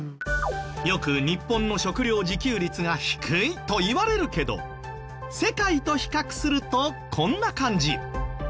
よく日本の食料自給率が低いと言われるけど世界と比較するとこんな感じ。